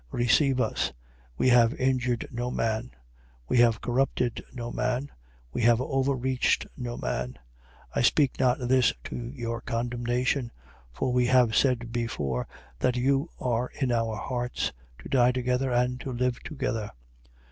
7:2. Receive us. We have injured no man: we have corrupted no man: we have overreached no man. 7:3. I speak not this to your condemnation. For we have said before that you are in our hearts: to die together and to live together.